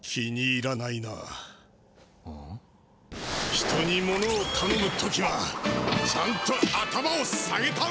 人にものをたのむ時はちゃんと頭を下げたまえ！